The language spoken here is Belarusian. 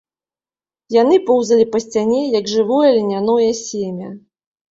Яны поўзалі па сцяне, як жывое льняное семя.